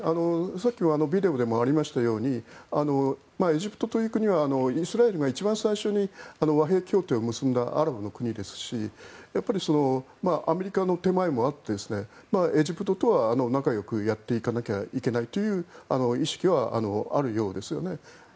さっきもビデオでもありましたようにエジプトという国はイスラエルが一番最初に和平協定を結んだアラブの国ですしアメリカの手前もあってエジプトとは仲よくやっていかなきゃいけないという意識はあるようですよね。